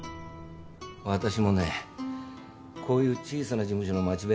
私もねこういう小さな事務所の町弁さん